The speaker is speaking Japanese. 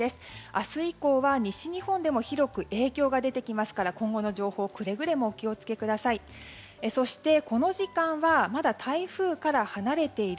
明日以降は西日本でも広く影響が出てきますから今後の情報にくれぐれもお気を付けください。